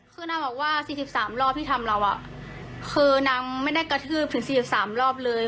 คือนางบอกว่าสี่สิบสามรอบที่ทำเราอ่ะคือนางไม่ได้กระทืบถึงสี่สิบสามรอบเลย